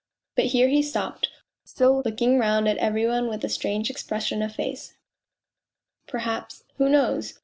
..." But here he stopped, still looking round at every one with a strange expression of face; perhaps who knows?